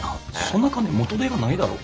そんな金元手がないだろ。